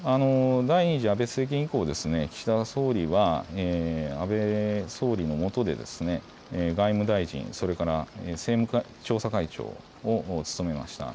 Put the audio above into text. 第２次安倍政権以降、岸田総理は安倍総理のもとで外務大臣、それから政務調査会長を務めました。